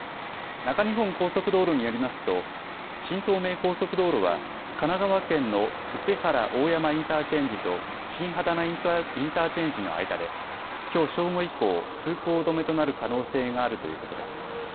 中日本高速道路によりますと新東名高速道路は神奈川県の伊勢原大山インターチェンジと新秦野インタインターチェンジの間で、きょう正午以降、通行止めとなる可能性があるということです。